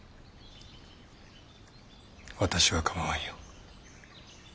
私はかまわんよ。